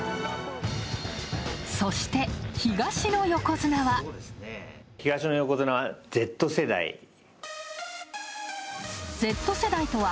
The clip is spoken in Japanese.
そして、東の横綱は。